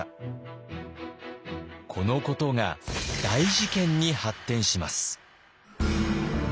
このことが大事件に発展します。